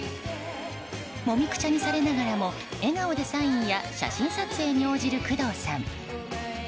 もみくちゃにされながらも笑顔でサインや写真撮影に応じる工藤さん。